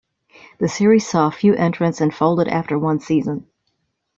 The series saw few entrants and folded after one season.